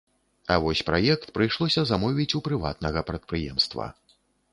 А вось праект прыйшлося замовіць у прыватнага прадпрыемства.